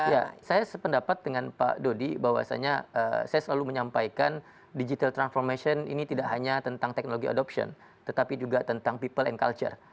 ya saya sependapat dengan pak dodi bahwasanya saya selalu menyampaikan digital transformation ini tidak hanya tentang teknologi adoption tetapi juga tentang people and culture